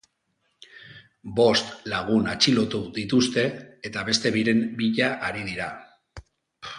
Bost lagun atxilotu dituzte eta beste biren bila ari dira.